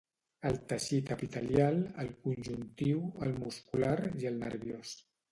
El teixit epitelial, el conjuntiu, el muscular i el nerviós.